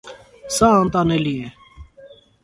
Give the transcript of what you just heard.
Սա անտանելի է: